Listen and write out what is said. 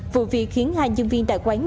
vụ việc khiến hai nhân viên tại quán